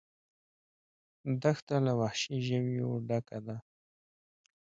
دښته له وحشي ژویو ډکه ده.